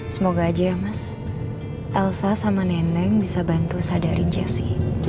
semoga aja ya mas elsa sama neneng bisa bantu sadarin jessi